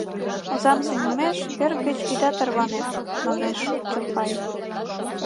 — Озам сеҥымеш, вер гыч ида тарване, — манеш Чолпаев.